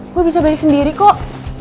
gue bisa balik sendiri kok